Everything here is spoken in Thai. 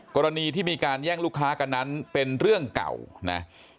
กรณีที่มีการแย่งลูกค้ากันนั้นเป็นเรื่องเก่านะ